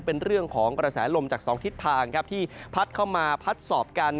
เป็นเรื่องของกระแสลมจากสองทิศทางครับที่พัดเข้ามาพัดสอบกัน